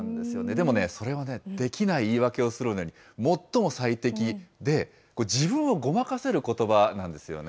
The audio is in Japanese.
でもね、それはできない言い訳をするのに最も最適で、自分をごまかせることばなんですよね。